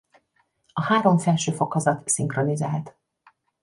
A három felső fokozat szinkronizált.